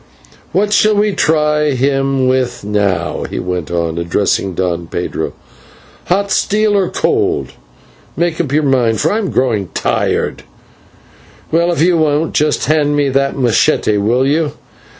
"What shall we try him with now?" he went on, addressing Don Pedro; "hot steel or cold? Make up your mind, for I am growing tired. Well, if you won't, just hand me that /machete/, will you?